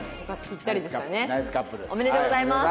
おめでとうございます。